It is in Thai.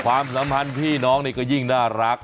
ความสำหรับพี่น้องก็ยิ่งน่ารัก